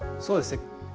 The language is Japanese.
そうですね。